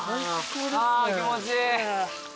あ気持ちいい。